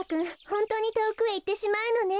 ホントにとおくへいってしまうのね。